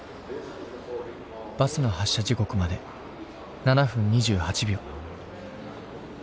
バスの発車時刻まで７分２８秒。